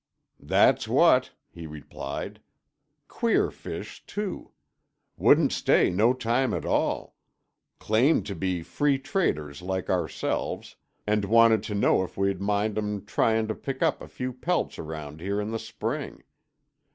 "That's what," he replied. "Queer fish, too. Wouldn't stay no time at all. Claimed to be free traders like ourselves, and wanted to know if we minded 'em tryin' to pick up a few pelts around here in the spring.